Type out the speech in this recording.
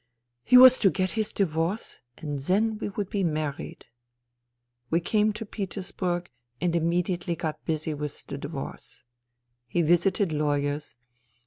He was to get his divorce and then we would be married. " We came to Petersburg and immediately got busy with the divorce. He visited lawyers.